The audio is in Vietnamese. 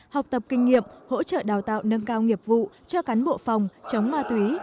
học tập kinh nghiệm hỗ trợ đào tạo nâng cao nghiệp vụ cho cán bộ phòng chống ma túy